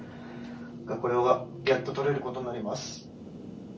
これがやっと取れることになります